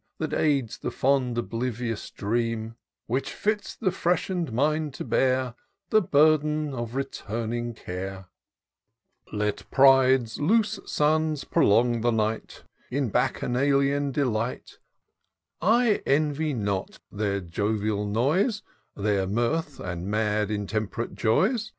That aids the fond oblivious dream, IN SEARCH OF THE PICTURESQUE. 351 Which fits the freshened mind to bear The burden of returning care. " Let Pride's loose sons prolong the night In Bacchanalian delight; I envy not their jovial noise, Their mirth, and mad intemp'rate joys.